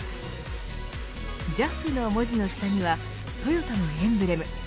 ＪＡＦの文字の下にはトヨタのエンブレム。